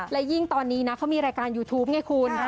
และยิ่งตอนนี้นะเขามีรายการยูทูปไงคุณ